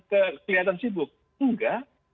kelihatan sibuk enggak